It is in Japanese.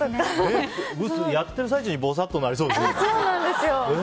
やっている最中にぼさっとなりそうですね。